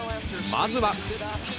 まずは。